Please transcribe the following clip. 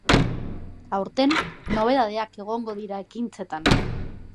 Aurten nobedadeak egongo dira ekintzetan.